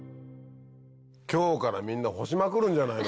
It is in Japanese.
今日からみんな干しまくるんじゃないの？